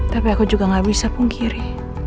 tapi aku juga gak bisa pungkiri